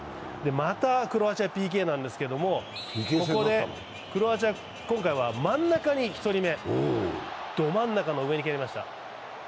またクロアチア、ＰＫなですけど、ここでクロアチア、今回は真ん中に１人目、ど真ん中上に決めました。